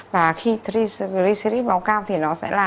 và khi triglycerides máu cao